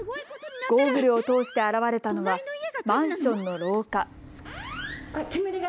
ゴーグルを通して現れたのはマンションの廊下。